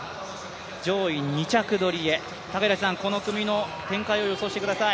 上位２着取りへ、この組の展開を予想してください。